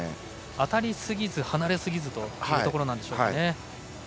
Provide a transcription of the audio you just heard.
当たりすぎず、離れすぎずというところなんでしょうかね。